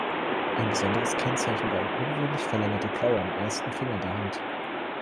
Ein besonderes Kennzeichen war eine ungewöhnlich verlängerte Klaue am ersten Finger der Hand.